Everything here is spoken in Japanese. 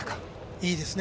いいですね。